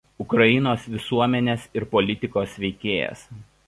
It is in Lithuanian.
Ukrainos visuomenės ir politikos veikėjas.